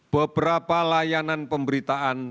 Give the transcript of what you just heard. beberapa layanan pemberitaan